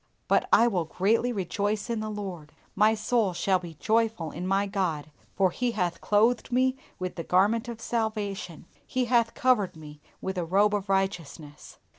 But I "will greatly rejoice in the Lord, my soul shall be joyful in my God, for He hath clothed me with the garments of salvation, He hath covered me with a robe of righteousness."